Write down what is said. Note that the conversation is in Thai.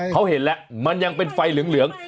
เขาเห็นแล้วมันยังเป็นไฟเหลือง